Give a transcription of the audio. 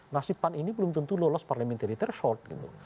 nasib pan ini belum tentu lolos parlementari tersebut